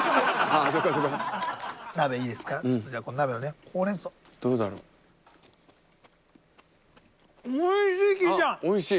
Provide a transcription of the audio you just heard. あっおいしい？